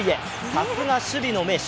さすが守備の名手。